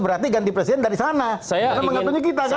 berarti ganti presiden dari sana